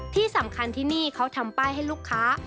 ที่สำคัญที่นี่เขาทำป้ายให้ลูกค้า